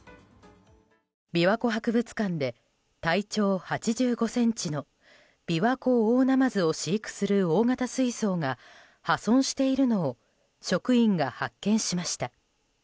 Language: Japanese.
琵琶湖博物館で体長８５ｃｍのビワコオオナマズを飼育する大型水槽が破損しているのを職員が発見しました。